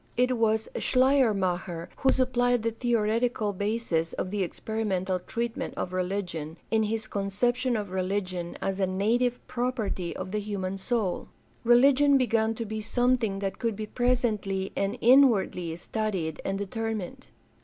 It was Schleiermacher who supplied the theoretical basis of the experimental treatment of religion in his con ception of religion as a native property of the human soul. Religion began to be something that could be presently and inwardly studied and determined.